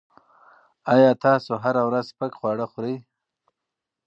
ایا تاسو هره ورځ سپک خواړه خوري؟